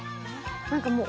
何かもう。